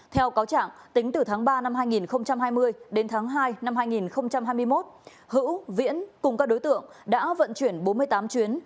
theo cáo trạng tính từ tháng ba năm hai nghìn hai mươi đến tháng hai năm hai nghìn hai mươi một hữu viễn cùng các đối tượng đã vận chuyển bốn mươi tám chuyến